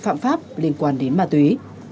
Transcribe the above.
phạm pháp liên quan đến ma túy